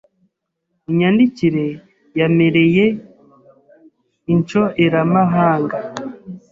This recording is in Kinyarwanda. unyandikiye yamereye inshoeramahanga